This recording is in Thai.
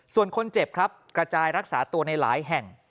ส่วนคนเจ็บครับกระจายรักษาตัวในหลายแห่ง